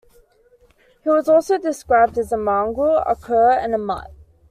He was also described as a mongrel, a cur, and a mutt.